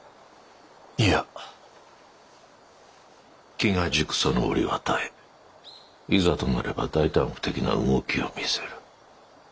いや機が熟さぬ折は耐えいざとなれば大胆不敵な動きを見せる。